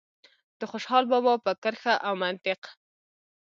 د خوشال بابا په کرښه او منطق.